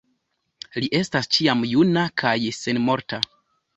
Li estas ĉiam juna kaj senmorta.